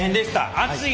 暑い！